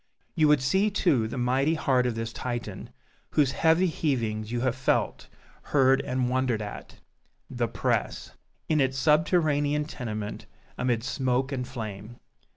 You would see, too, the mighty heart of this Titan, whose heavy heavings you have felt, heard and wondered at THE PRESS in its subterranean tenement, amid smoke and flame.